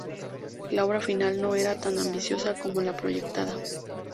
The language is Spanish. La obra final no era tan ambiciosa como la proyectada.